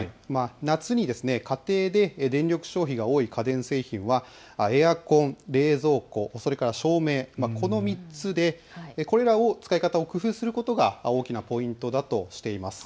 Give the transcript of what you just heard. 夏に家庭で電力消費が多い家電製品はエアコン、冷蔵庫、それから照明の３つでこれらを使い方を工夫することが大きなポイントだとしています。